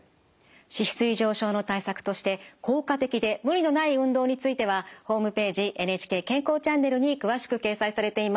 脂質異常症の対策として効果的で無理のない運動についてはホームページ「ＮＨＫ健康チャンネル」に詳しく掲載されています。